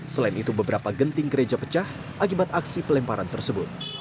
selain itu beberapa genting gereja pecah akibat aksi pelemparan tersebut